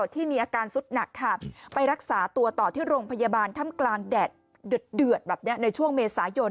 ที่มีอาการสุดหนักค่ะไปรักษาตัวต่อที่โรงพยาบาลถ้ำกลางแดดเดือดแบบนี้ในช่วงเมษายน